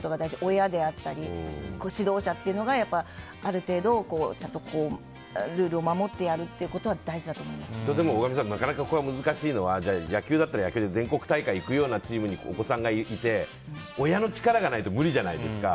親であったり、指導者というのがある程度ルールを守ってやるっていうことは大神さん、なかなか難しいのは野球だったら野球で全国大会行くようなチームにお子さんがいて親の力がないと無理じゃないですか。